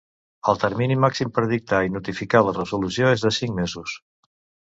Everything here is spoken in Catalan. El termini màxim per dictar i notificar la resolució és de cinc mesos.